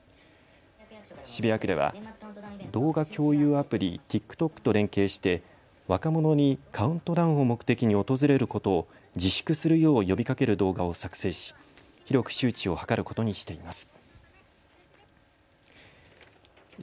渋谷区では動画共有アプリ、ＴｉｋＴｏｋと連携して若者にカウントダウンを目的に訪れることを自粛するよう呼びかける動画を作成し、広く周知を図ることにしています。